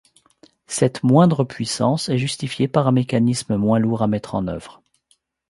Cette moindre puissance est justifiée par un mécanisme moins lourd à mettre en œuvre.